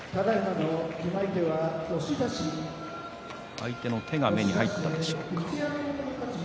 相手の手が目に入ったんでしょうか。